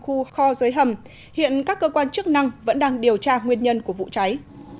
khu kho dưới hầm hiện các cơ quan chức năng vẫn đang điều tra nguyên nhân của vụ cháy